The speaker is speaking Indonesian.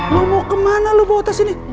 lu mau kemana lu bawa tas ini